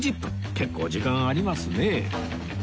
結構時間ありますね